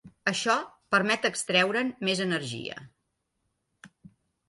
Això permet extreure'n més energia.